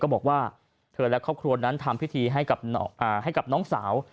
บอกว่าเธอและครอบครัวนั้นทำพิธีให้กับน้องสาว